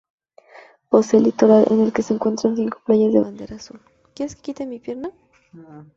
Posee litoral, en el que se encuentran cinco playas de bandera azul.